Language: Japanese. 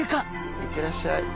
いってらっしゃい。